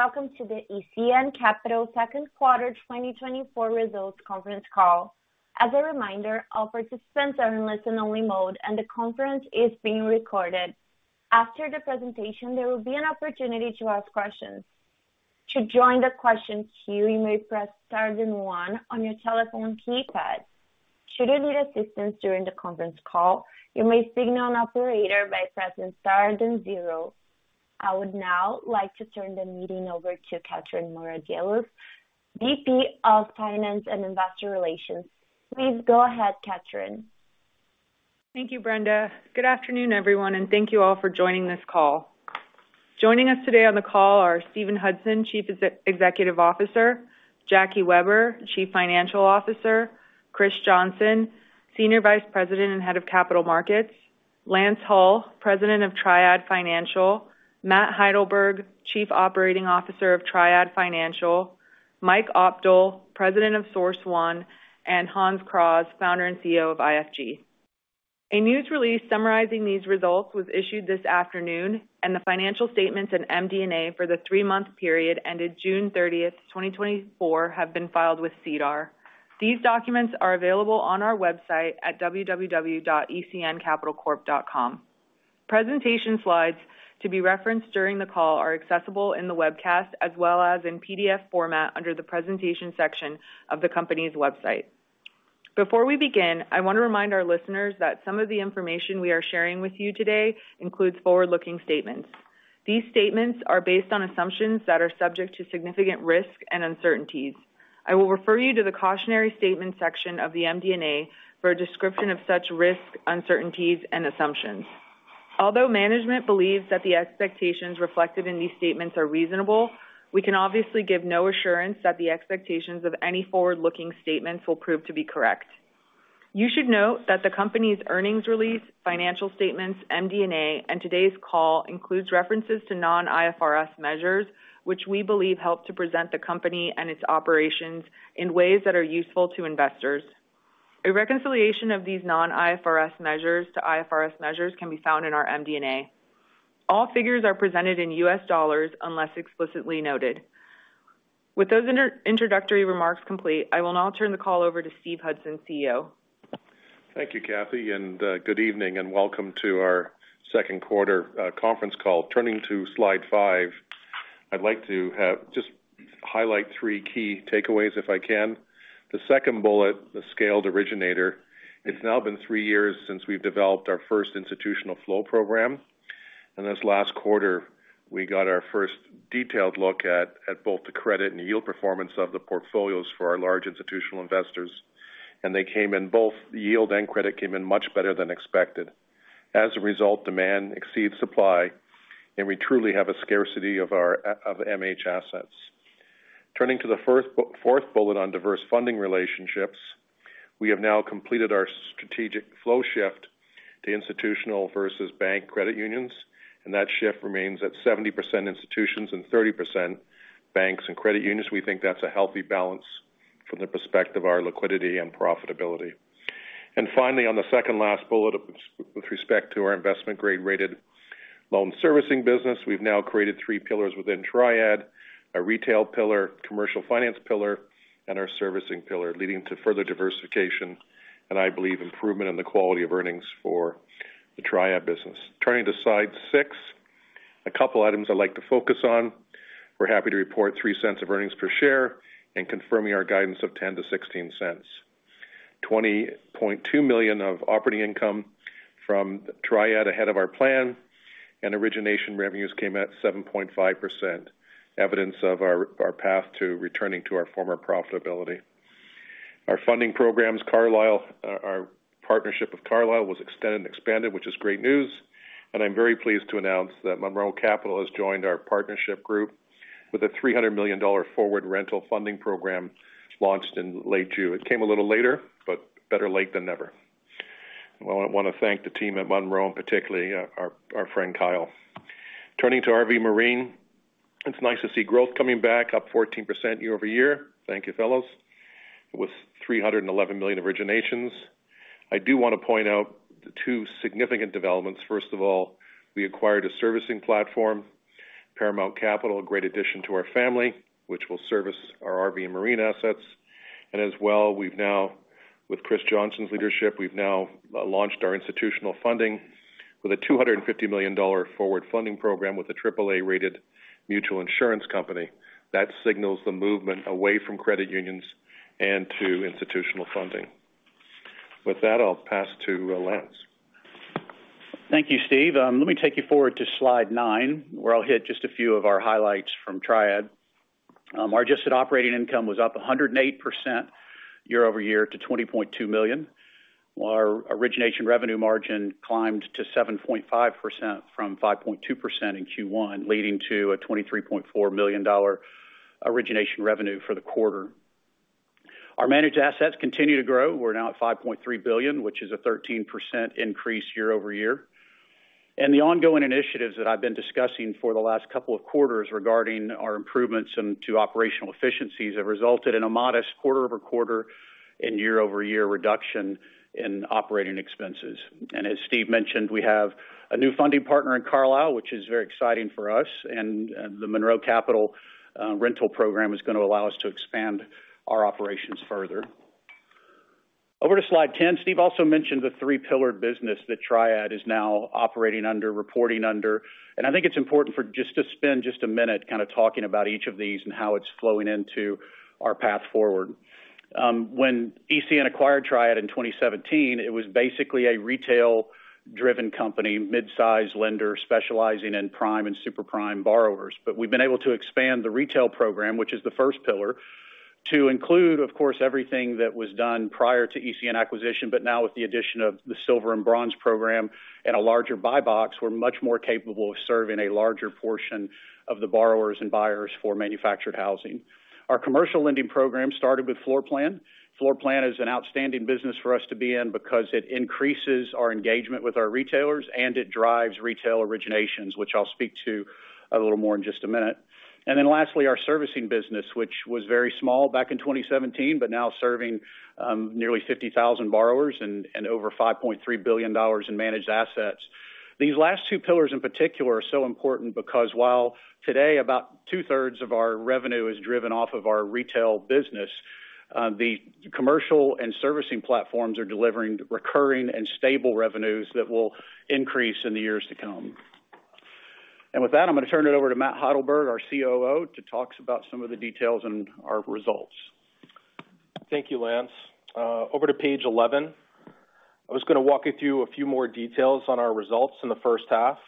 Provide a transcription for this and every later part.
...Welcome to the ECN Capital second quarter 2024 results conference call. As a reminder, all participants are in listen-only mode, and the conference is being recorded. After the presentation, there will be an opportunity to ask questions. To join the question queue, you may press star then one on your telephone keypad. Should you need assistance during the conference call, you may signal an operator by pressing star then zero. I would now like to turn the meeting over to Katherine Mora Galusz, VP of Finance and Investor Relations. Please go ahead, Catherine. Thank you, Brenda. Good afternoon, everyone, and thank you all for joining this call. Joining us today on the call are Steve Hudson, Chief Executive Officer, Jackie Weber, Chief Financial Officer, Chris Johnson, Senior Vice President and Head of Capital Markets, Lance Hull, President of Triad Financial, Matt Heidelberg, Chief Operating Officer of Triad Financial, Mike Opdahl, President of Source One, and Hans Kraaz, Founder and CEO of IFG. A news release summarizing these results was issued this afternoon, and the financial statements and MD&A for the three-month period ended June thirtieth, 2024, have been filed with SEDAR. These documents are available on our website at www.ecncapitalcorp.com. Presentation Slides to be referenced during the call are accessible in the webcast as well as in PDF format under the Presentation section of the company's website. Before we begin, I want to remind our listeners that some of the information we are sharing with you today includes forward-looking statements. These statements are based on assumptions that are subject to significant risk and uncertainties. I will refer you to the Cautionary Statement section of the MD&A for a description of such risks, uncertainties and assumptions. Although management believes that the expectations reflected in these statements are reasonable, we can obviously give no assurance that the expectations of any forward-looking statements will prove to be correct. You should note that the company's earnings release, financial statements, MD&A, and today's call includes references to non-IFRS measures, which we believe help to present the company and its operations in ways that are useful to investors. A reconciliation of these non-IFRS measures to IFRS measures can be found in our MD&A. All figures are presented in U.S. dollars, unless explicitly noted. With those introductory remarks complete, I will now turn the call over to Steve Hudson, CEO. Thank you, Cathy, and good evening, and welcome to our second quarter conference call. Turning to Slide 5, I'd like to just highlight three key takeaways, if I can. The second bullet, the scaled originator. It's now been three years since we've developed our first institutional flow program, and this last quarter, we got our first detailed look at both the credit and yield performance of the portfolios for our large institutional investors, and they came in both yield and credit came in much better than expected. As a result, demand exceeds supply, and we truly have a scarcity of our MH assets. Turning to the fourth bullet on diverse funding relationships, we have now completed our strategic flow shift to institutional versus bank credit unions, and that shift remains at 70% institutions and 30% banks and credit unions. We think that's a healthy balance from the perspective of our liquidity and profitability. And finally, on the second last bullet, with respect to our investment grade-rated loan servicing business, we've now created three pillars within Triad, a retail pillar, commercial finance pillar, and our servicing pillar, leading to further diversification, and I believe improvement in the quality of earnings for the Triad business. Turning to Slide 6, a couple items I'd like to focus on. We're happy to report $0.03 of earnings per share and confirming our guidance of $0.10-$0.16. $20.2 million of operating income from Triad ahead of our plan, and origination revenues came at 7.5%, evidence of our path to returning to our former profitability. Our funding programs, Carlyle, our partnership with Carlyle was extended and expanded, which is great news. I'm very pleased to announce that Monroe Capital has joined our partnership group with a $300 million forward rental funding program launched in late June. It came a little later, but better late than never. I wanna thank the team at Monroe, particularly our friend Kyle. Turning to RV Marine, it's nice to see growth coming back, up 14% year-over-year. Thank you, fellows. With $311 million originations. I do want to point out the two significant developments. First of all, we acquired a servicing platform, Paramount Capital, a great addition to our family, which will service our RV and marine assets. And as well, we've now, with Chris Johnson's leadership, we've now launched our institutional funding with a $250 million forward funding program with a triple-A-rated mutual insurance company. That signals the movement away from credit unions and to institutional funding. With that, I'll pass to Lance. Thank you, Steve. Let me take you forward to Slide 9, where I'll hit just a few of our highlights from Triad. Our adjusted operating income was up 108% year-over-year to $20.2 million, while our origination revenue margin climbed to 7.5% from 5.2% in Q1, leading to a $23.4 million origination revenue for the quarter. Our managed assets continue to grow. We're now at $5.3 billion, which is a 13% increase year-over-year. The ongoing initiatives that I've been discussing for the last couple of quarters regarding our improvements into operational efficiencies have resulted in a modest quarter-over-quarter and year-over-year reduction in operating expenses. As Steve mentioned, we have a new funding partner in Carlyle, which is very exciting for us, and, and the Monroe Capital rental program is gonna allow us to expand our operations further. Over to Slide 10. Steve also mentioned the three-pillared business that Triad is now operating under, reporting under, and I think it's important for just to spend just a minute kind of talking about each of these and how it's flowing into our path forward. When ECN acquired Triad in 2017, it was basically a retail-driven company, mid-size lender, specializing in prime and super prime borrowers. We've been able to expand the retail program, which is the first pillar, to include, of course, everything that was done prior to ECN acquisition, but now with the addition of the silver and bronze program and a larger buy box, we're much more capable of serving a larger portion of the borrowers and buyers for manufactured housing. Our commercial lending program started with floor plan. Floor plan is an outstanding business for us to be in because it increases our engagement with our retailers, and it drives retail originations, which I'll speak to a little more in just a minute. Then lastly, our servicing business, which was very small back in 2017, but now serving nearly 50,000 borrowers and over $5.3 billion in managed assets. These last two pillars, in particular, are so important because while today, about two-thirds of our revenue is driven off of our retail business, the commercial and servicing platforms are delivering recurring and stable revenues that will increase in the years to come. With that, I'm going to turn it over to Matt Heidelberg, our COO, to talk about some of the details and our results. Thank you, Lance. Over to Page 11. I was gonna walk you through a few more details on our results in the first half.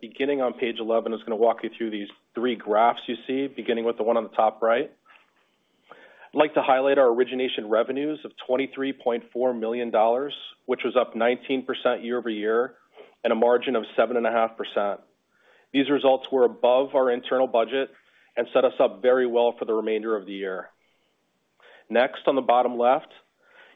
Beginning on Page 11, I was gonna walk you through these three graphs you see, beginning with the one on the top right. I'd like to highlight our origination revenues of $23.4 million, which was up 19% year-over-year, and a margin of 7.5%. These results were above our internal budget and set us up very well for the remainder of the year. Next, on the bottom left,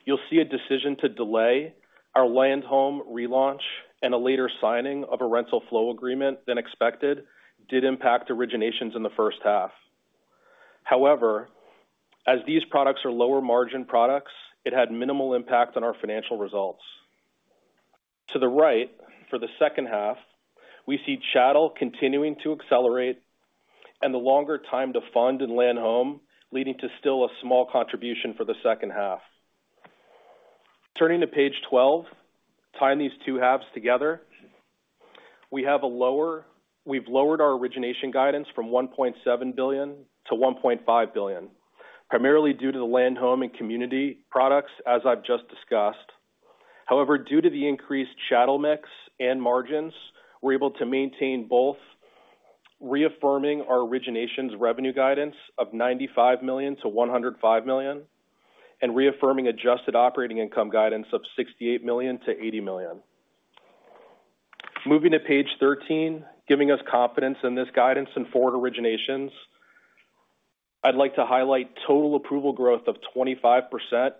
you'll see a decision to delay our Land Home relaunch and a later signing of a rental flow agreement than expected did impact originations in the first half. However, as these products are lower margin products, it had minimal impact on our financial results. To the right, for the second half, we see chattel continuing to accelerate and the longer time to fund in Land Home, leading to still a small contribution for the second half. Turning to Page 12, tying these two halves together, we have a lower—we've lowered our origination guidance from $1.7 billion to $1.5 billion, primarily due to the Land Home and Community products, as I've just discussed. However, due to the increased chattel mix and margins, we're able to maintain both, reaffirming our originations revenue guidance of $95 million-$105 million, and reaffirming adjusted operating income guidance of $68 million-$80 million. Moving to Page 13, giving us confidence in this guidance and forward originations, I'd like to highlight total approval growth of 25%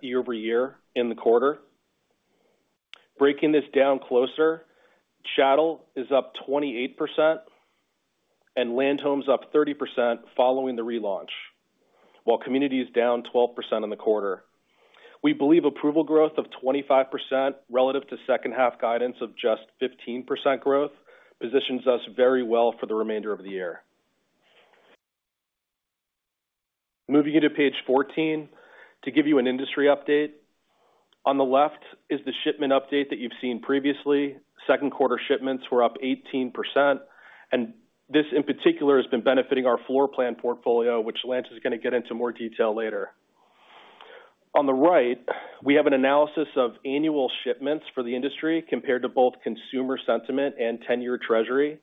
year-over-year in the quarter. Breaking this down closer, chattel is up 28% and Land Home's up 30% following the relaunch, while Community is down 12% in the quarter. We believe approval growth of 25% relative to second half guidance of just 15% growth, positions us very well for the remainder of the year. Moving you to Page 14, to give you an industry update. On the left is the shipment update that you've seen previously. Second quarter shipments were up 18%, and this, in particular, has been benefiting our floor plan portfolio, which Lance is gonna get into more detail later. On the right, we have an analysis of annual shipments for the industry compared to both consumer sentiment and 10-year treasury.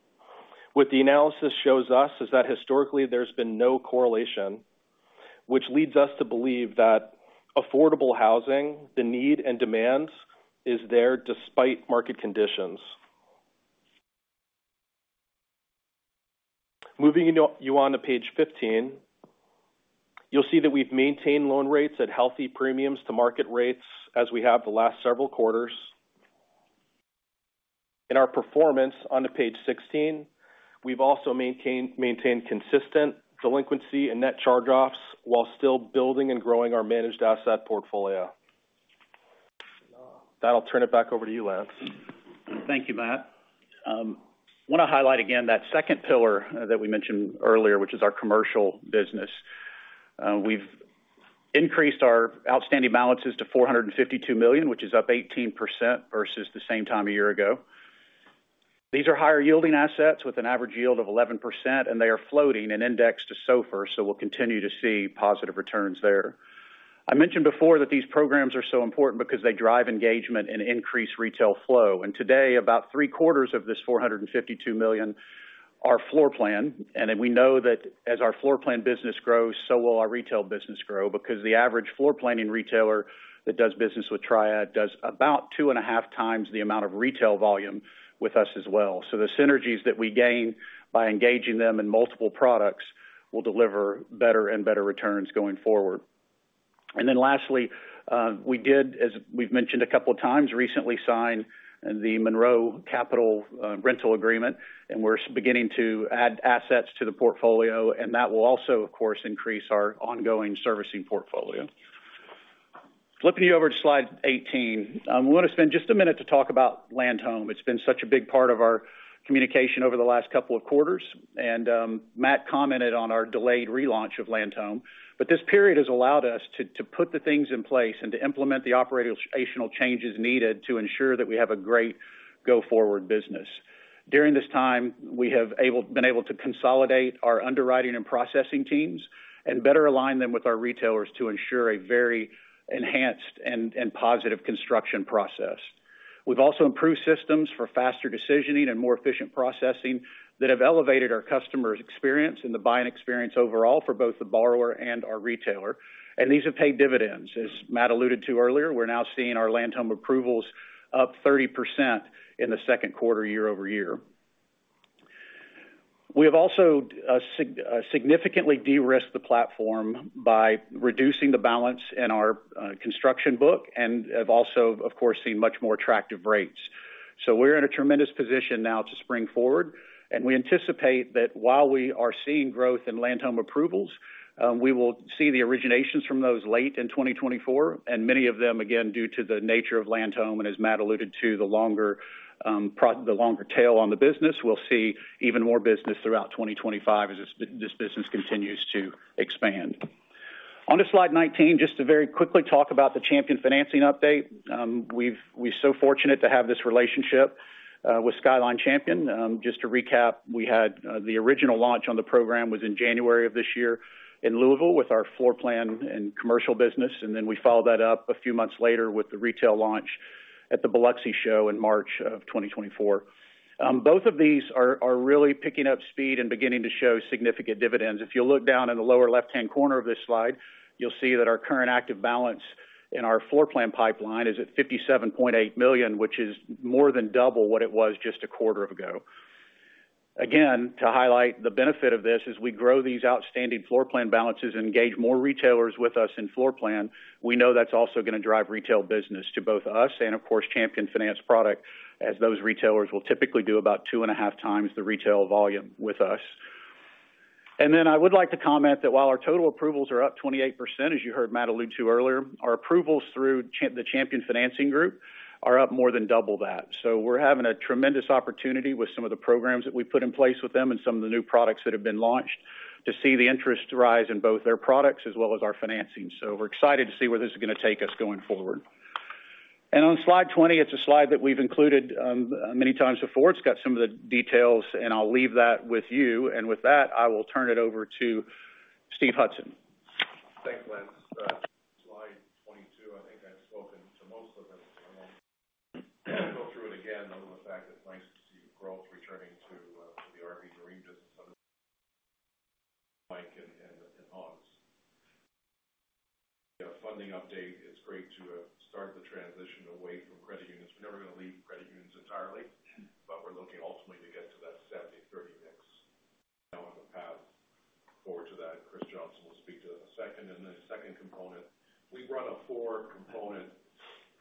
What the analysis shows us is that historically, there's been no correlation, which leads us to believe that affordable housing, the need and demand is there despite market conditions. Moving you on to Page 15, you'll see that we've maintained loan rates at healthy premiums to market rates as we have the last several quarters. In our performance on to Page 16, we've also maintained consistent delinquency and net charge-offs while still building and growing our managed asset portfolio. With that, I'll turn it back over to you, Lance. Thank you, Matt. I want to highlight again that second pillar that we mentioned earlier, which is our commercial business. We've increased our outstanding balances to $452 million, which is up 18% versus the same time a year ago. These are higher-yielding assets with an average yield of 11%, and they are floating and indexed to SOFR, so we'll continue to see positive returns there. I mentioned before that these programs are so important because they drive engagement and increase retail flow. And today, about three-quarters of this $452 million are floor plan, and then we know that as our floor plan business grows, so will our retail business grow because the average floor planning retailer that does business with Triad does about 2.5 times the amount of retail volume with us as well. So the synergies that we gain by engaging them in multiple products will deliver better and better returns going forward. And then lastly, we did, as we've mentioned a couple of times, recently signed the Monroe Capital rental agreement, and we're beginning to add assets to the portfolio, and that will also, of course, increase our ongoing servicing portfolio. Flipping you over to Slide 18. We want to spend just a minute to talk about Land Home. It's been such a big part of our communication over the last couple of quarters, and Matt commented on our delayed relaunch of Land Home. But this period has allowed us to put the things in place and to implement the operational changes needed to ensure that we have a great go-forward business. During this time, we have been able to consolidate our underwriting and processing teams and better align them with our retailers to ensure a very enhanced and positive construction process. We've also improved systems for faster decisioning and more efficient processing that have elevated our customers' experience and the buying experience overall for both the borrower and our retailer. These have paid dividends. As Matt alluded to earlier, we're now seeing our Land Home approvals up 30% in the second quarter, year-over-year. We have also significantly de-risked the platform by reducing the balance in our construction book, and have also, of course, seen much more attractive rates. So we're in a tremendous position now to spring forward, and we anticipate that while we are seeing growth in Land Home approvals, we will see the originations from those late in 2024, and many of them, again, due to the nature of Land Home, and as Matt alluded to, the longer tail on the business, we'll see even more business throughout 2025 as this business continues to expand. On to Slide 19, just to very quickly talk about the Champion Finance update. We're so fortunate to have this relationship with Skyline Champion. Just to recap, we had the original launch on the program was in January of this year in Louisville with our floor plan and commercial business, and then we followed that up a few months later with the retail launch at the Biloxi Show in March of 2024. Both of these are really picking up speed and beginning to show significant dividends. If you'll look down in the lower left-hand corner of this Slide, you'll see that our current active balance in our floor plan pipeline is at $57.8 million, which is more than double what it was just a quarter ago. Again, to highlight the benefit of this, as we grow these outstanding floor plan balances and engage more retailers with us in floor plan, we know that's also gonna drive retail business to both us and, of course, Champion Finance product, as those retailers will typically do about 2.5 times the retail volume with us. Then I would like to comment that while our total approvals are up 28%, as you heard Matt allude to earlier, our approvals through the Champion Financing Group are up more than double that. So we're having a tremendous opportunity with some of the programs that we've put in place with them and some of the new products that have been launched to see the interest rise in both their products as well as our financing. So we're excited to see where this is gonna take us going forward. On Slide 20, it's a Slide that we've included many times before. It's got some of the details, and I'll leave that with you. And with that, I will turn it over to Steve Hudson. Thanks, Lance. Slide 22, I think I've spoken to most of it, so I won't go through it again, other than the fact that it's nice to see growth returning to the RV marine business, Mike and Hans. The funding update, it's great to start the transition away from credit unions. We're never gonna leave credit unions entirely, but we're looking ultimately to get to that 70/30 mix. Now on the path forward to that, Chris Johnson will speak to that in a second. And then the second component, we run a four-component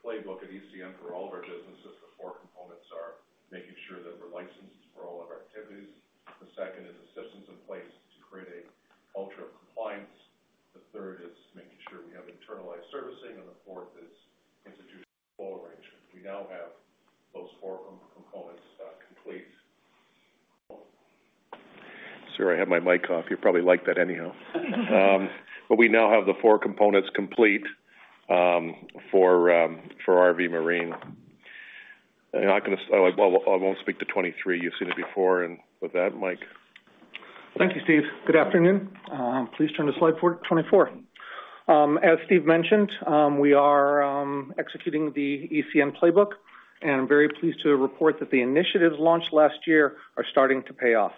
playbook at ECN for all of our businesses. The four components are making sure that we're licensed for all of our activities. The second is the systems in place to create a culture of compliance. The third is making sure we have internalized servicing, and the fourth is introducing full arrangement. We now have those four components complete. Sorry, I had my mic off. You probably liked that anyhow. But we now have the four components complete for RV Marine. And I'm not gonna, well, I won't speak to 2023. You've seen it before, and with that, Mike. Thank you, Steve. Good afternoon. Please turn to Slide 24. As Steve mentioned, we are executing the ECN playbook, and I'm very pleased to report that the initiatives launched last year are starting to pay off.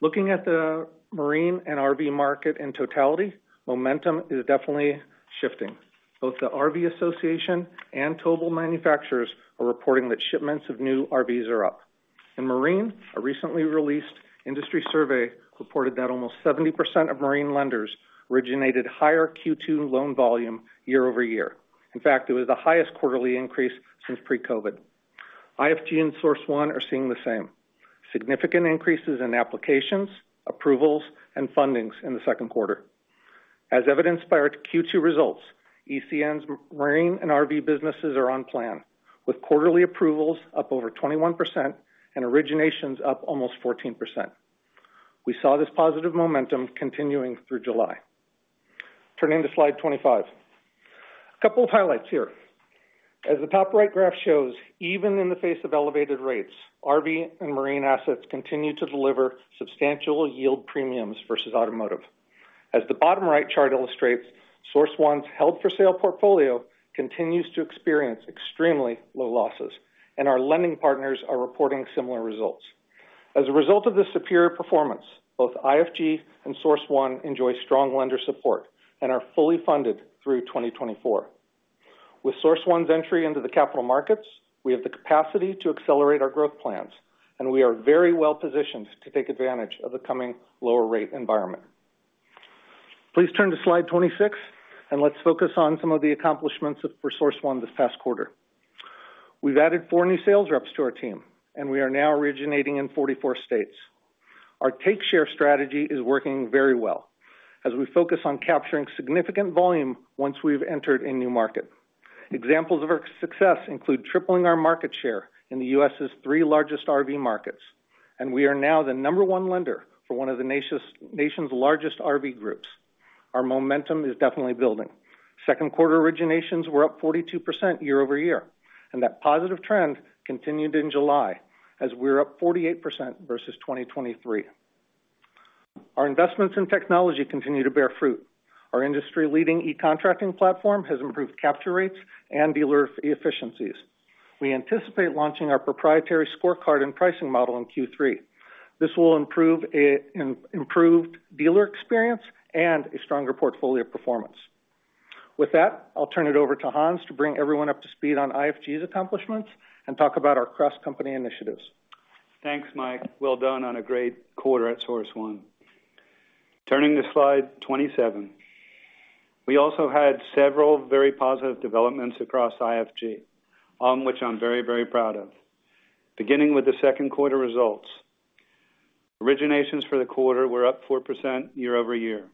Looking at the marine and RV market in totality, momentum is definitely shifting. Both the RV Association and towable manufacturers are reporting that shipments of new RVs are up. In marine, a recently released industry survey reported that almost 70% of marine lenders originated higher Q2 loan volume year-over-year. In fact, it was the highest quarterly increase since pre-COVID. IFG and Source One are seeing the same, significant increases in applications, approvals, and fundings in the second quarter. As evidenced by our Q2 results, ECN's marine and RV businesses are on plan, with quarterly approvals up over 21% and originations up almost 14%. We saw this positive momentum continuing through July. Turning to Slide 25. A couple of highlights here. As the top right graph shows, even in the face of elevated rates, RV and marine assets continue to deliver substantial yield premiums versus automotive. As the bottom right chart illustrates, Source One's held-for-sale portfolio continues to experience extremely low losses, and our lending partners are reporting similar results. As a result of this superior performance, both IFG and Source One enjoy strong lender support and are fully funded through 2024. With Source One's entry into the capital markets, we have the capacity to accelerate our growth plans, and we are very well positioned to take advantage of the coming lower rate environment. Please turn to Slide 26, and let's focus on some of the accomplishments of, for Source One this past quarter.... We've added four new sales reps to our team, and we are now originating in 44 states. Our take share strategy is working very well as we focus on capturing significant volume once we've entered a new market. Examples of our success include tripling our market share in the U.S.'s three largest RV markets, and we are now the number one lender for one of the nation's largest RV groups. Our momentum is definitely building. Second quarter originations were up 42% year-over-year, and that positive trend continued in July, as we're up 48% versus 2023. Our investments in technology continue to bear fruit. Our industry-leading e-contracting platform has improved capture rates and dealer efficiencies. We anticipate launching our proprietary scorecard and pricing model in Q3. This will improve improved dealer experience and a stronger portfolio performance. With that, I'll turn it over to Hans to bring everyone up to speed on IFG's accomplishments and talk about our cross-company initiatives. Thanks, Mike. Well done on a great quarter at Source One. Turning to Slide 27. We also had several very positive developments across IFG, on which I'm very, very proud of. Beginning with the second quarter results. Originations for the quarter were up 4% year-over-year,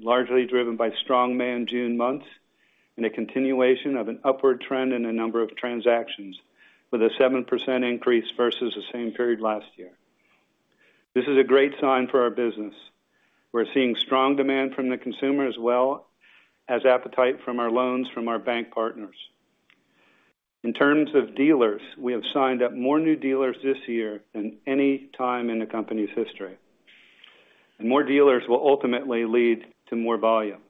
largely driven by strong May and June months, and a continuation of an upward trend in the number of transactions, with a 7% increase versus the same period last year. This is a great sign for our business. We're seeing strong demand from the consumer, as well as appetite from our loans from our bank partners. In terms of dealers, we have signed up more new dealers this year than any time in the company's history. And more dealers will ultimately lead to more volume.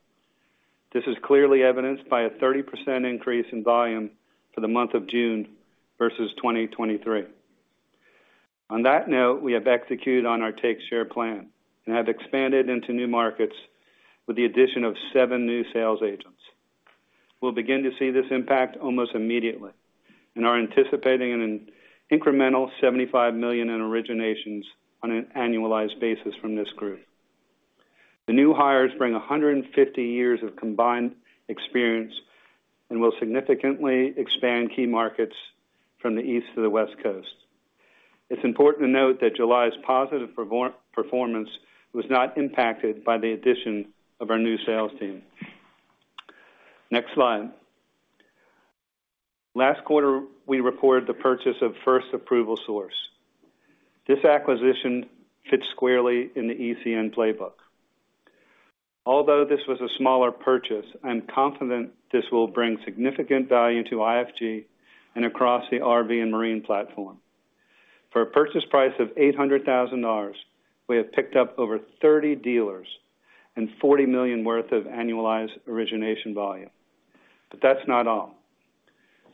This is clearly evidenced by a 30% increase in volume for the month of June versus 2023. On that note, we have executed on our take share plan and have expanded into new markets with the addition of seven new sales agents. We'll begin to see this impact almost immediately and are anticipating an incremental $75 million in originations on an annualized basis from this group. The new hires bring 150 years of combined experience and will significantly expand key markets from the East to the West Coast. It's important to note that July's positive performance was not impacted by the addition of our new sales team. Next Slide. Last quarter, we reported the purchase of First Approval Source. This acquisition fits squarely in the ECN playbook. Although this was a smaller purchase, I'm confident this will bring significant value to IFG and across the RV and marine platform. For a purchase price of $800,000, we have picked up over 30 dealers and $40 million worth of annualized origination volume. But that's not all.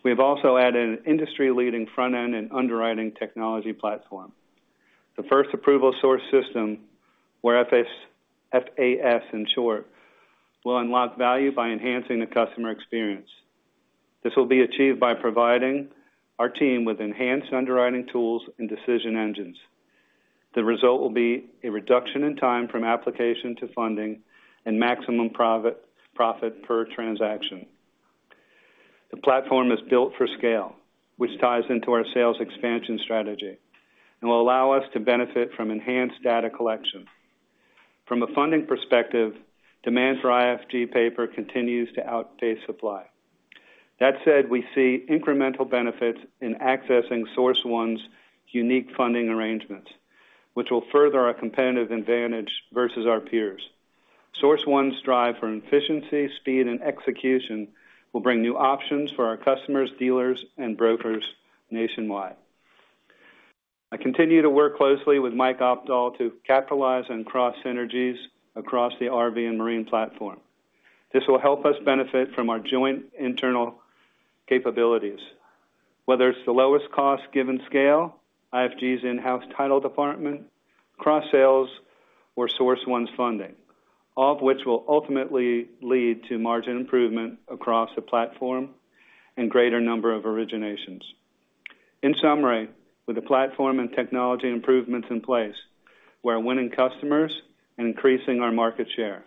We've also added an industry-leading front-end and underwriting technology platform. The First Approval Source system, or FAS, in short, will unlock value by enhancing the customer experience. This will be achieved by providing our team with enhanced underwriting tools and decision engines. The result will be a reduction in time from application to funding and maximum profit, profit per transaction. The platform is built for scale, which ties into our sales expansion strategy, and will allow us to benefit from enhanced data collection. From a funding perspective, demand for IFG paper continues to outpace supply. That said, we see incremental benefits in accessing Source One's unique funding arrangements, which will further our competitive advantage versus our peers. Source One's drive for efficiency, speed, and execution will bring new options for our customers, dealers, and brokers nationwide. I continue to work closely with Mike Opdahl to capitalize on cross synergies across the RV and marine platform. This will help us benefit from our joint internal capabilities, whether it's the lowest cost given scale, IFG's in-house title department, cross sales, or Source One's funding, all of which will ultimately lead to margin improvement across the platform and greater number of originations. In summary, with the platform and technology improvements in place, we're winning customers and increasing our market share.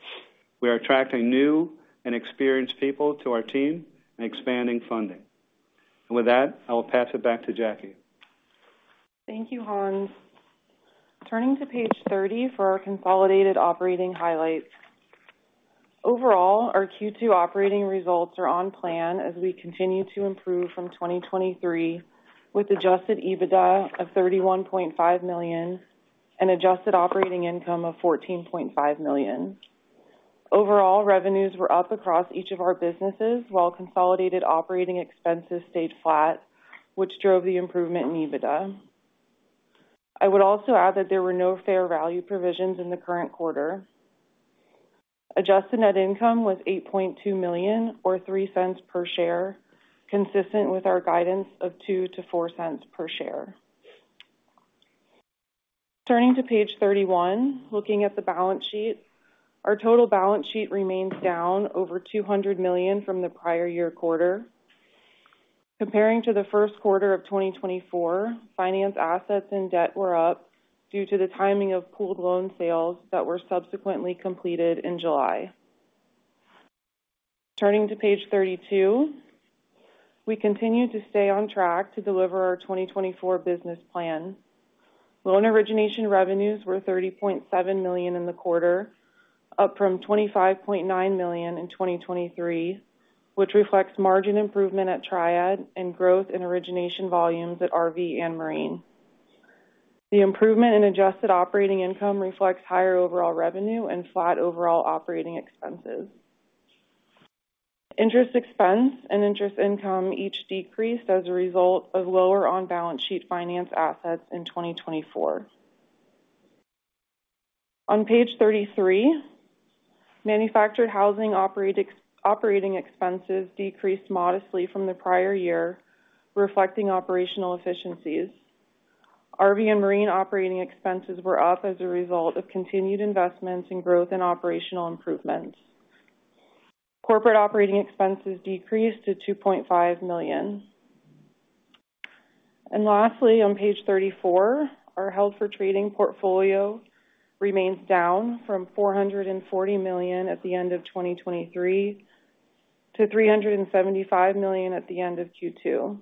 We are attracting new and experienced people to our team and expanding funding. With that, I will pass it back to Jackie. Thank you, Hans. Turning to Page 30 for our consolidated operating highlights. Overall, our Q2 operating results are on plan as we continue to improve from 2023, with adjusted EBITDA of $31.5 million and adjusted operating income of $14.5 million. Overall, revenues were up across each of our businesses, while consolidated operating expenses stayed flat, which drove the improvement in EBITDA. I would also add that there were no fair value provisions in the current quarter. Adjusted net income was $8.2 million, or 3 cents per share, consistent with our guidance of 2 to 4 cents per share. Turning to Page 31, looking at the balance sheet. Our total balance sheet remains down over $200 million from the prior year quarter. Comparing to the first quarter of 2024, finance assets and debt were up due to the timing of pooled loan sales that were subsequently completed in July. Turning to Page 32, we continue to stay on track to deliver our 2024 business plan. Loan origination revenues were $30.7 million in the quarter, up from $25.9 million in 2023, which reflects margin improvement at Triad and growth in origination volumes at RV and Marine. The improvement in adjusted operating income reflects higher overall revenue and flat overall operating expenses. Interest expense and interest income each decreased as a result of lower on-balance sheet finance assets in 2024. On Page 33, manufactured housing operating expenses decreased modestly from the prior year, reflecting operational efficiencies. RV and Marine operating expenses were up as a result of continued investments in growth and operational improvements. Corporate operating expenses decreased to $2.5 million. Lastly, on Page 34, our held for trading portfolio remains down from $440 million at the end of 2023 to $375 million at the end of Q2.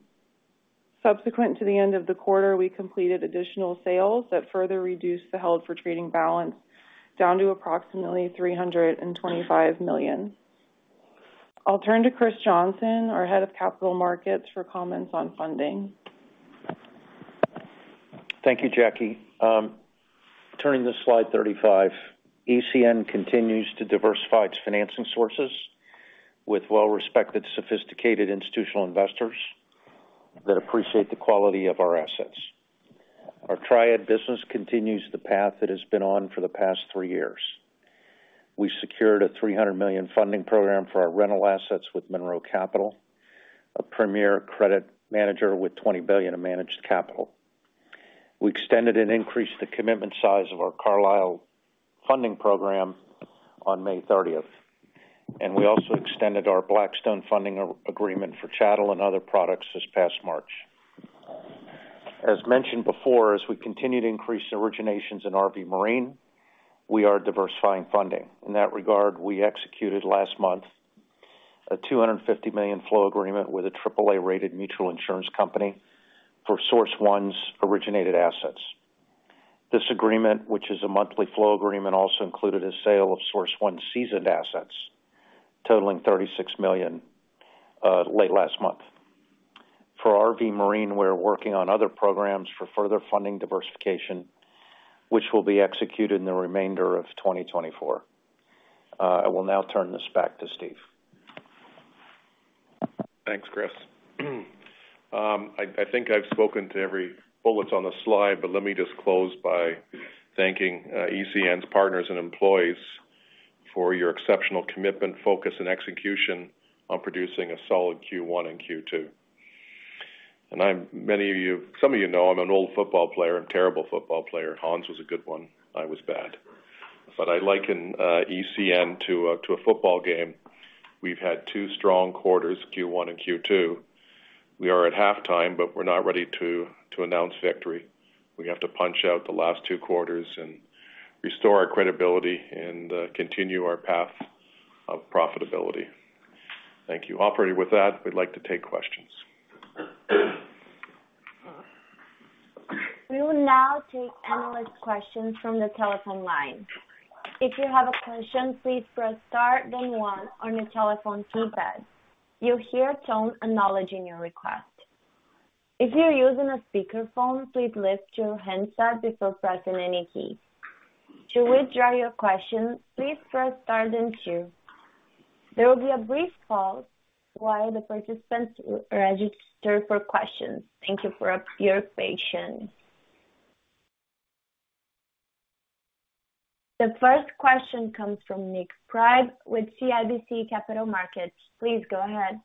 Subsequent to the end of the quarter, we completed additional sales that further reduced the held for trading balance down to approximately $325 million. I'll turn to Chris Johnson, our Head of Capital Markets, for comments on funding. Thank you, Jackie. Turning to Slide 35. ECN continues to diversify its financing sources with well-respected, sophisticated institutional investors that appreciate the quality of our assets. Our Triad business continues the path it has been on for the past three years. We secured a $300 million funding program for our rental assets with Monroe Capital, a premier credit manager with $20 billion in managed capital. We extended and increased the commitment size of our Carlyle funding program on May thirtieth, and we also extended our Blackstone funding agreement for chattel and other products this past March. As mentioned before, as we continue to increase originations in RV Marine, we are diversifying funding. In that regard, we executed last month a $250 million flow agreement with a triple A-rated mutual insurance company for Source One's originated assets. This agreement, which is a monthly flow agreement, also included a sale of Source One seasoned assets totaling $36 million late last month. For RV Marine, we're working on other programs for further funding diversification, which will be executed in the remainder of 2024. I will now turn this back to Steve. Thanks, Chris. I think I've spoken to every bullet on the Slide, but let me just close by thanking ECN's partners and employees for your exceptional commitment, focus, and execution on producing a solid Q1 and Q2. And, many of you, some of you know, I'm an old football player and terrible football player. Hans was a good one. I was bad. But I liken ECN to a football game. We've had two strong quarters, Q1 and Q2. We are at halftime, but we're not ready to announce victory. We have to punch out the last two quarters and restore our credibility and continue our path of profitability. Thank you. Operator, with that, we'd like to take questions. We will now take analyst questions from the telephone line. If you have a question, please press star then one on your telephone keypad. You'll hear a tone acknowledging your request. If you're using a speakerphone, please lift your handset before pressing any key. To withdraw your question, please press star then two. There will be a brief pause while the participants register for questions. Thank you for your patience. The first question comes from Nik Priebe with CIBC Capital Markets. Please go ahead.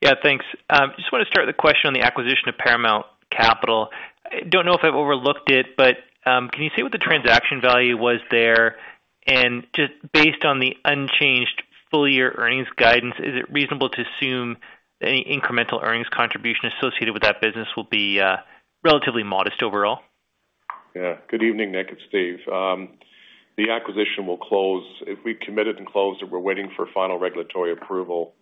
Yeah, thanks. Just want to start the question on the acquisition of Paramount Capital. I don't know if I've overlooked it, but, can you say what the transaction value was there? And just based on the unchanged full-year earnings guidance, is it reasonable to assume any incremental earnings contribution associated with that business will be relatively modest overall? Yeah. Good evening, Nick. It's Steve. The acquisition will close... We've committed and closed, and we're waiting for final regulatory approval,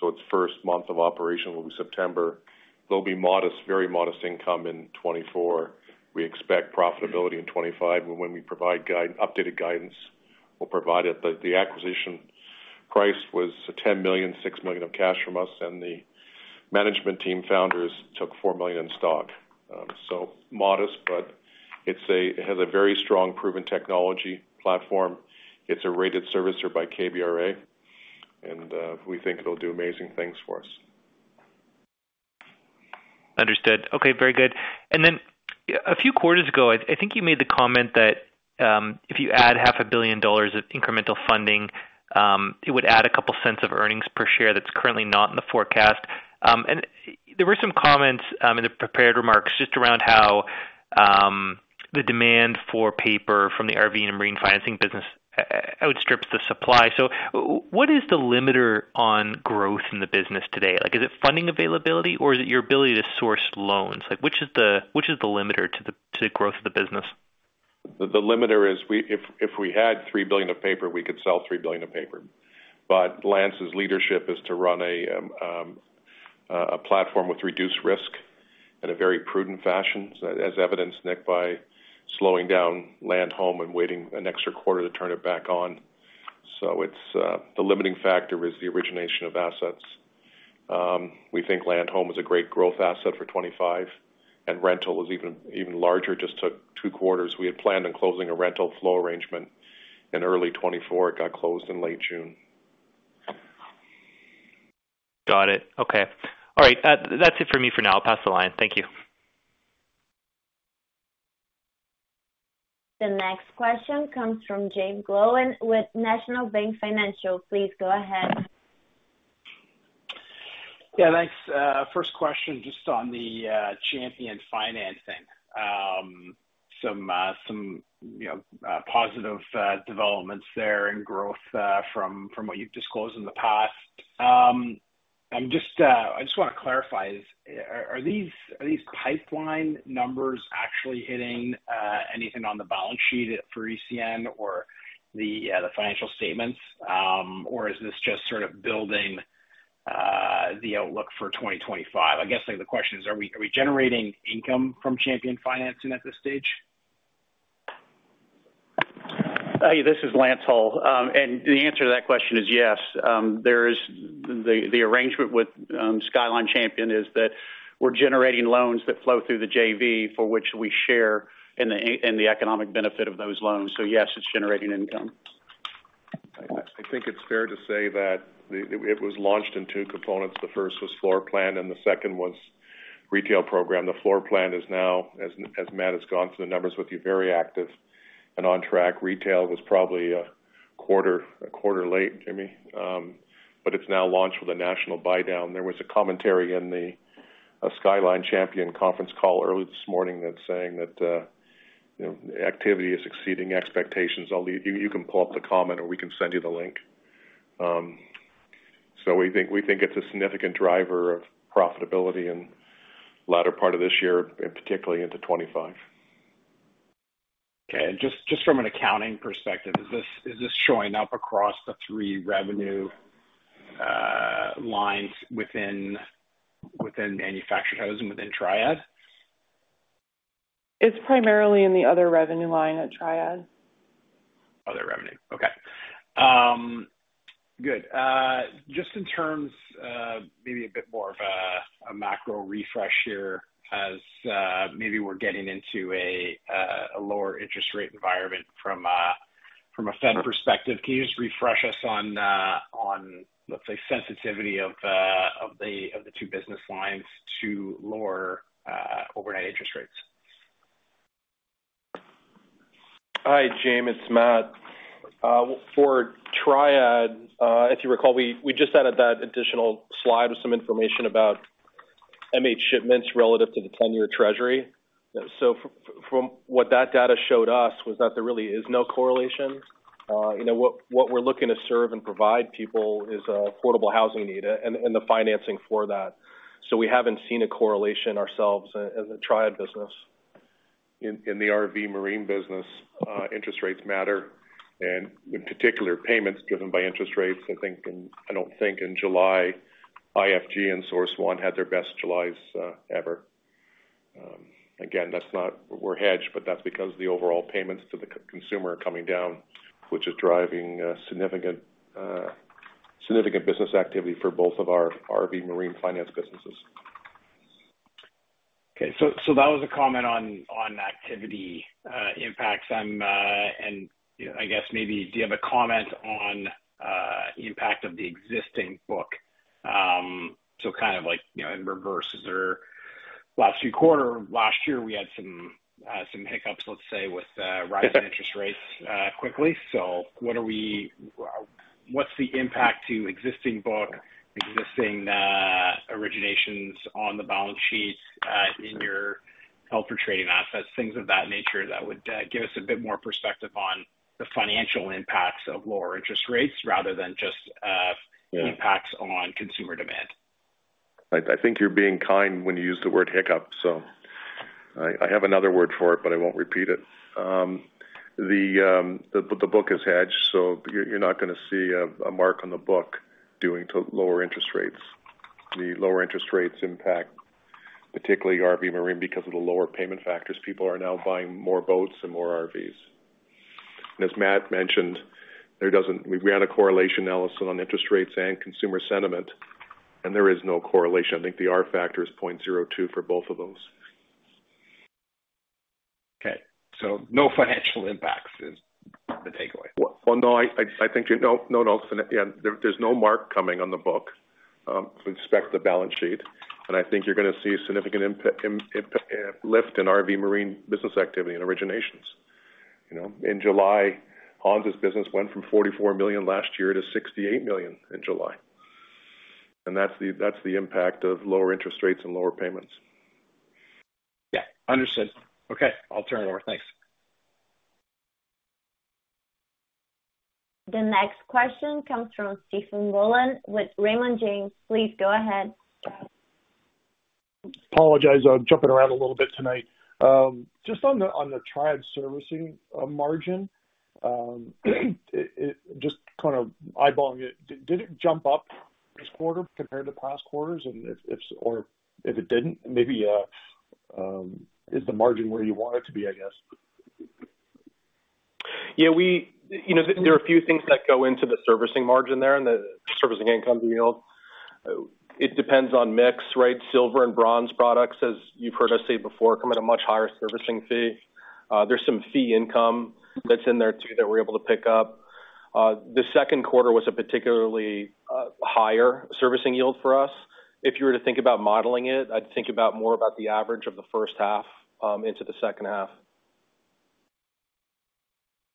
so its first month of operation will be September. There'll be modest, very modest income in 2024. We expect profitability in 2025, and when we provide guide-- updated guidance, we'll provide it. But the acquisition price was $10 million, $6 million of cash from us, and the management team founders took $4 million in stock. So modest, but it's a-- it has a very strong, proven technology platform. It's a rated servicer by KBRA, and we think it'll do amazing things for us. Understood. Okay, very good. And then a few quarters ago, I think you made the comment that, if you add $500 million of incremental funding, it would add a couple cents of earnings per share that's currently not in the forecast. And there were some comments in the prepared remarks just around how the demand for paper from the RV and marine financing business outstrips the supply. So what is the limiter on growth in the business today? Like, is it funding availability, or is it your ability to source loans? Like, which is the, which is the limiter to the, to the growth of the business?... The limiter is if we had $3 billion of paper, we could sell $3 billion of paper. But Lance's leadership is to run a platform with reduced risk in a very prudent fashion, so as evidenced, Nick, by slowing down Land Home and waiting an extra quarter to turn it back on. So it's the limiting factor is the origination of assets. We think Land Home is a great growth asset for 2025, and rental was even larger, just took two quarters. We had planned on closing a rental flow arrangement in early 2024. It got closed in late June. Got it. Okay. All right, that, that's it for me for now. I'll pass the line. Thank you. The next question comes from Jaeme Gloyn with National Bank Financial. Please go ahead. Yeah, thanks. First question, just on the Champion Finance. Some, you know, positive developments there and growth from what you've disclosed in the past. I'm just-- I just wanna clarify. Are these pipeline numbers actually hitting anything on the balance sheet for ECN or the financial statements? Or is this just sort of building the outlook for 2025? I guess, like, the question is, are we generating income from Champion Finance at this stage? This is Lance Hull. The answer to that question is yes. There is the arrangement with Skyline Champion is that we're generating loans that flow through the JV for which we share in the economic benefit of those loans. So yes, it's generating income. I think it's fair to say that it was launched in two components. The first was floor plan, and the second was retail program. The floor plan is now, as Matt has gone through the numbers with you, very active and on track. Retail was probably a quarter late, Jimmy, but it's now launched with a national buydown. There was a commentary in the Skyline Champion conference call early this morning that's saying that you know, activity is exceeding expectations. I'll leave. You can pull up the comment or we can send you the link. So we think it's a significant driver of profitability in latter part of this year and particularly into 25. Okay. And just from an accounting perspective, is this showing up across the three revenue lines within manufactured housing within Triad? It's primarily in the other revenue line at Triad. Other revenue. Okay. Good. Just in terms of maybe a bit more of a macro refresh here, as maybe we're getting into a lower interest rate environment from a Fed perspective, can you just refresh us on, let's say, sensitivity of the two business lines to lower overnight interest rates? Hi, James, it's Matt. For Triad, if you recall, we just added that additional Slide with some information about MH shipments relative to the 10-year treasury. From what that data showed us was that there really is no correlation. You know, what we're looking to serve and provide people is affordable housing need, and the financing for that. So we haven't seen a correlation ourselves as a Triad business. In the RV marine business, interest rates matter, and in particular, payments driven by interest rates. I think in July, IFG and Source One had their best Julys ever. Again, that's not because we're hedged, but that's because the overall payments to the consumer are coming down, which is driving significant business activity for both of our RV marine finance businesses. Okay, so that was a comment on activity impacts. I'm and, you know, I guess maybe do you have a comment on the impact of the existing book? So kind of like, you know, in reverse. In the last few quarters, last year, we had some hiccups, let's say, with rising interest rates quickly. So what are we— what's the impact to existing book, existing originations on the balance sheet, in your held for trading assets, things of that nature, that would give us a bit more perspective on the financial impacts of lower interest rates rather than just— Yeah... impacts on consumer demand? I think you're being kind when you use the word hiccup, so I have another word for it, but I won't repeat it. The book is hedged, so you're not gonna see a mark on the book due to lower interest rates. The lower interest rates impact, particularly RV marine, because of the lower payment factors. People are now buying more boats and more RVs. And as Matt mentioned, there doesn't. We ran a correlation analysis on interest rates and consumer sentiment, and there is no correlation. I think the R factor is 0.02 for both of those. Okay, no financial impacts is the takeaway. Well, no, I think you're—no, no, no. So, yeah, there's no mark coming on the book, so expect the balance sheet. And I think you're gonna see a significant lift in RV marine business activity and originations. You know, in July, Honda's business went from $44 million last year to $68 million in July. And that's the impact of lower interest rates and lower payments. Yeah, understood. Okay, I'll turn it over. Thanks.... The next question comes from Stephen Boland with Raymond James. Please go ahead. Apologies, I'm jumping around a little bit tonight. Just on the Triad servicing margin, it just kind of eyeballing it. Did it jump up this quarter compared to past quarters? And if it didn't, maybe is the margin where you want it to be, I guess? Yeah, we, you know, there are a few things that go into the servicing margin there and the servicing income yield. It depends on mix, right? Silver and Bronze products, as you've heard us say before, come at a much higher servicing fee. There's some fee income that's in there, too, that we're able to pick up. The second quarter was a particularly higher servicing yield for us. If you were to think about modeling it, I'd think about more about the average of the first half into the second half.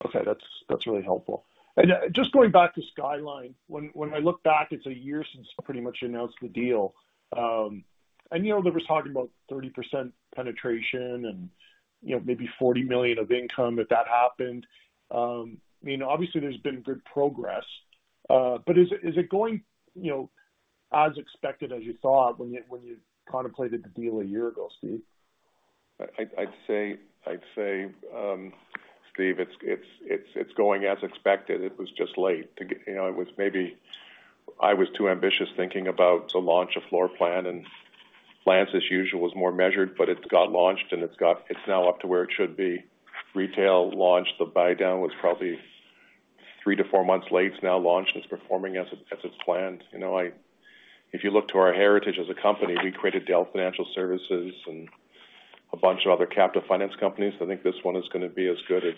Okay. That's, that's really helpful. And just going back to Skyline. When, when I look back, it's a year since you pretty much announced the deal. And, you know, there was talking about 30% penetration and, you know, maybe $40 million of income if that happened. You know, obviously there's been good progress, but is it, is it going, you know, as expected as you thought when you, when you contemplated the deal a year ago, Steve? I'd say, Steve, it's going as expected. It was just late. To get—you know, it was maybe I was too ambitious thinking about the launch of floor plan, and Lance, as usual, was more measured, but it's got launched and it's now up to where it should be. Retail launched. The buy down was probably three to four months late. It's now launched and it's performing as it's planned. You know, if you look to our heritage as a company, we created Dell Financial Services and a bunch of other captive finance companies. I think this one is going to be as good as,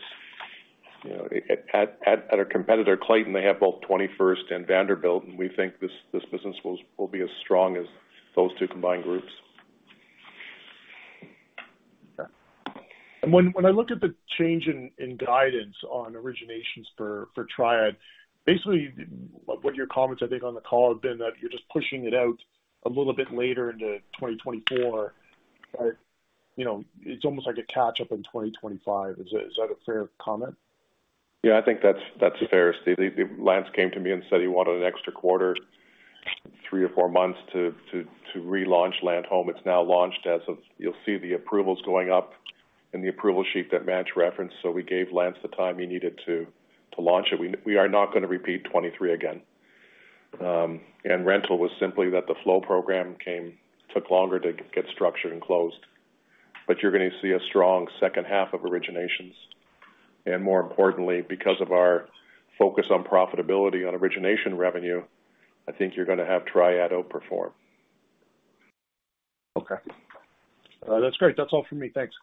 you know... At our competitor, Clayton, they have both 21st Mortgage and Vanderbilt, and we think this business will be as strong as those two combined groups. Okay. And when I look at the change in guidance on originations for Triad, basically, what your comments, I think, on the call have been that you're just pushing it out a little bit later into 2024. You know, it's almost like a catch-up in 2025. Is that a fair comment? Yeah, I think that's fair, Steve. Lance came to me and said he wanted an extra quarter, 3 or 4 months to relaunch Land Home. It's now launched as of... You'll see the approvals going up in the approval sheet that Matt referenced. So we gave Lance the time he needed to launch it. We are not going to repeat 2023 again. And rental was simply that the flow program came took longer to get structured and closed. But you're going to see a strong second half of originations. And more importantly, because of our focus on profitability on origination revenue, I think you're going to have Triad outperform. Okay. That's great. That's all for me. Thanks.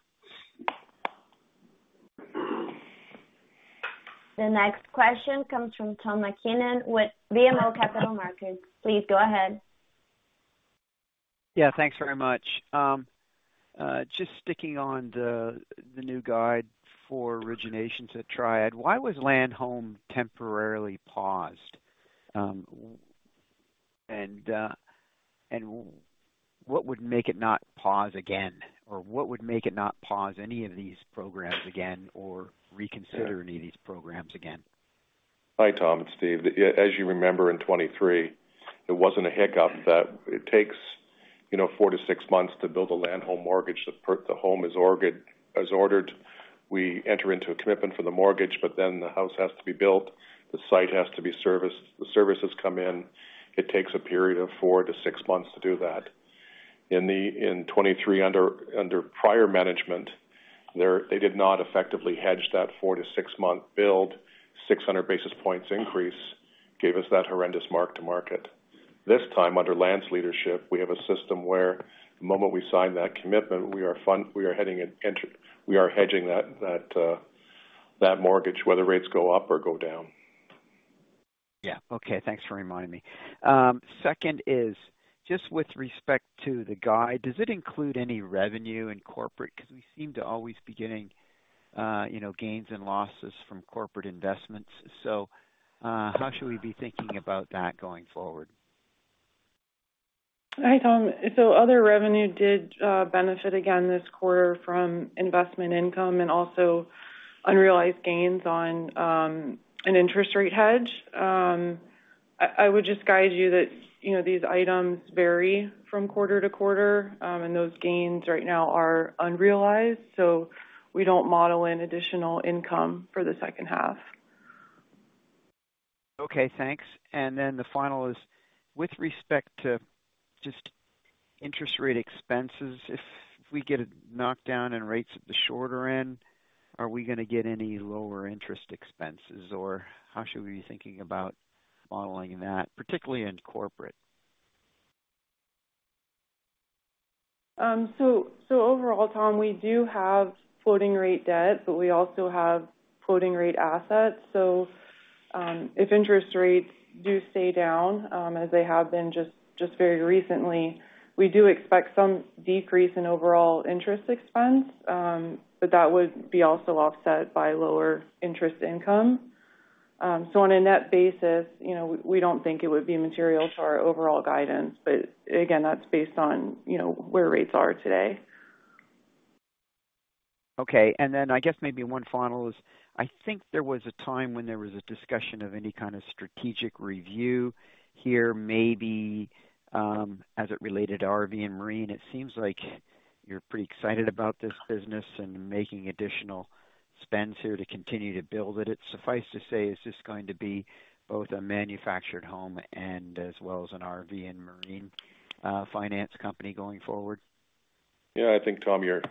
The next question comes from Tom MacKinnon with BMO Capital Markets. Please go ahead. Yeah, thanks very much. Just sticking on the new guide for originations at Triad. Why was Land Home temporarily paused? And what would make it not pause again? Or what would make it not pause any of these programs again, or reconsider any of these programs again? Hi, Tom, it's Steve. As you remember, in 2023, it wasn't a hiccup, that it takes, you know, 4-6 months to build a Land Home mortgage. The home is ordered, as ordered, we enter into a commitment for the mortgage, but then the house has to be built, the site has to be serviced, the services come in. It takes a period of 4-6 months to do that. In 2023, under prior management, they did not effectively hedge that 4-6-month build. 600 basis points increase gave us that horrendous mark to market. This time, under Lance's leadership, we have a system where the moment we sign that commitment, we are hedging that mortgage, whether rates go up or go down. Yeah. Okay, thanks for reminding me. Second is, just with respect to the guide, does it include any revenue in corporate? Because we seem to always be getting, you know, gains and losses from corporate investments. So, how should we be thinking about that going forward? Hi, Tom. So other revenue did benefit again this quarter from investment income and also unrealized gains on an interest rate hedge. I would just guide you that, you know, these items vary from quarter to quarter, and those gains right now are unrealized, so we don't model in additional income for the second half. Okay, thanks. And then the final is, with respect to just interest rate expenses, if we get a knockdown in rates at the shorter end, are we going to get any lower interest expenses, or how should we be thinking about modeling that, particularly in corporate? Overall, Tom, we do have floating rate debt, but we also have floating rate assets. If interest rates do stay down, as they have been very recently, we do expect some decrease in overall interest expense, but that would be also offset by lower interest income. On a net basis, you know, we don't think it would be material to our overall guidance. But again, that's based on, you know, where rates are today. ...Okay, and then I guess maybe one final is, I think there was a time when there was a discussion of any kind of strategic review here, maybe, as it related to RV and Marine. It seems like you're pretty excited about this business and making additional spends here to continue to build it. It's suffice to say, is this going to be both a manufactured home and as well as an RV and Marine finance company going forward? Yeah, I think, Tom, your,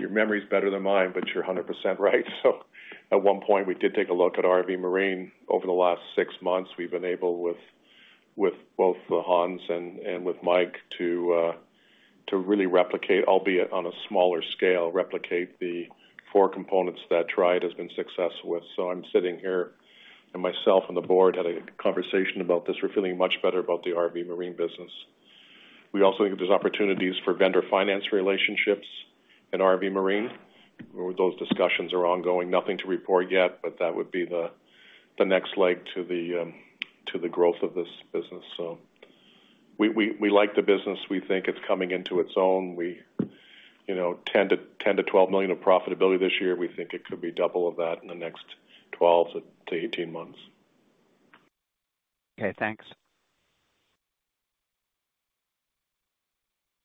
your memory is better than mine, but you're 100% right. So at one point, we did take a look at RV Marine. Over the last six months, we've been able, with, with both Hans and, and with Mike, to, to really replicate, albeit on a smaller scale, replicate the four components that Triad has been successful with. So I'm sitting here, and myself and the board had a conversation about this. We're feeling much better about the RV Marine business. We also think there's opportunities for vendor finance relationships in RV Marine, where those discussions are ongoing. Nothing to report yet, but that would be the, the next leg to the, to the growth of this business. So we, we, we like the business. We think it's coming into its own. We, you know, $10-$12 million of profitability this year. We think it could be double of that in the next 12-18 months. Okay, thanks.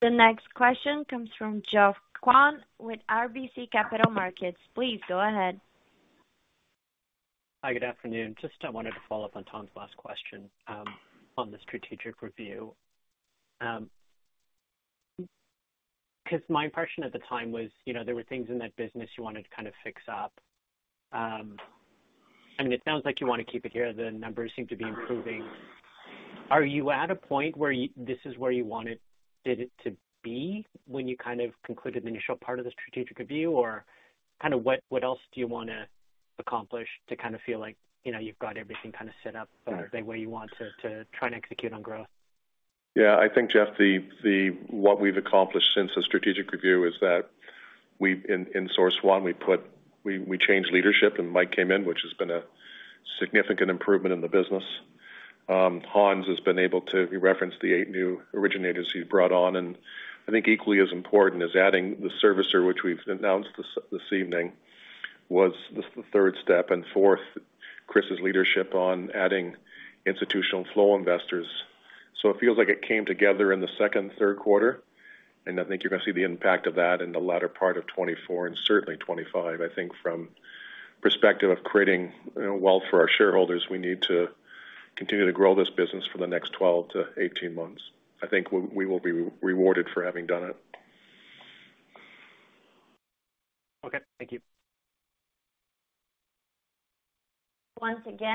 The next question comes from Geoffrey Kwan with RBC Capital Markets. Please go ahead. Hi, good afternoon. Just I wanted to follow up on Tom's last question, on the strategic review. Because my impression at the time was, you know, there were things in that business you wanted to kind of fix up. I mean, it sounds like you want to keep it here. The numbers seem to be improving. Are you at a point where you this is where you wanted it to be when you kind of concluded the initial part of the strategic review? Or kind of what, what else do you want to accomplish to kind of feel like, you know, you've got everything kind of set up the way you want to, to try and execute on growth? Yeah, I think, Geoff, what we've accomplished since the strategic review is that we've... In Source One, we changed leadership, and Mike came in, which has been a significant improvement in the business. Hans has been able to, he referenced the 8 new originators he brought on, and I think equally as important is adding the servicer, which we've announced this evening, was the third step, and fourth, Chris's leadership on adding institutional flow investors. So it feels like it came together in the second, third quarter, and I think you're gonna see the impact of that in the latter part of 2024 and certainly 2025. I think from perspective of creating wealth for our shareholders, we need to continue to grow this business for the next 12-18 months. I think we will be rewarded for having done it. Okay, thank you. Once again-